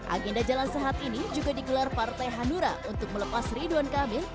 agenda jalan sehat ini juga digelar partai hanura untuk melepas ridwan kamil